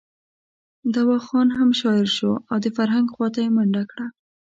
دوا خان هم شاعر شو او د فرهنګ خواته یې منډه کړه.